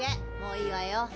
もういいわよ。